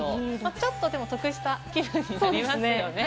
ちょっと得した気分になりますよね。